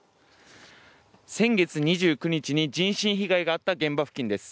先月２９日に人身被害があった現場付近です。